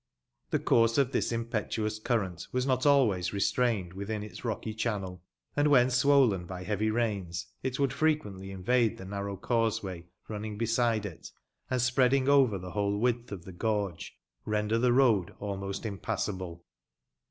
The course of this impetuous current was not always restrained within its rocky Channel, and when swoUen by heavy rains, it would frequently invade the narrow causeway running beside it, and, spreading over the whole width of the gorge, render the read ahnost impassable.